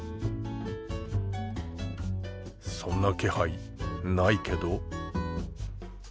そんな気配ないけど。